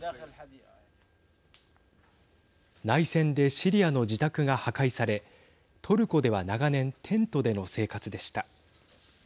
内戦でシリアの自宅が破壊されトルコでは長年テントでの生活でした。